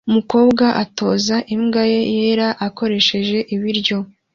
Umukobwa atoza imbwa ye yera akoresheje ibiryo